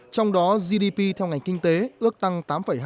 trong đó gdp theo ngành kinh tế ước tăng tám hai mươi một